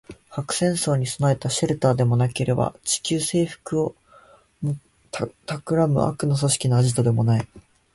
核戦争に備えたシェルターでもなければ、地球制服を企む悪の組織のアジトでもない